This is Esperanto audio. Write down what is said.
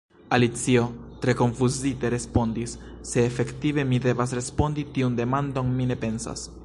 Alicio, tre konfuzite, respondis: "Se efektive mi devas respondi tiun demandon, mi ne pensas."